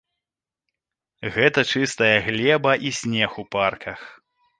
Гэта чыстая глеба і снег у парках.